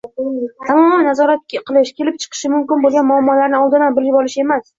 Tamoman nazorat qilish, kelib chiqishi mumkin bo‘lgan muammolarni oldindan bilib olish emas.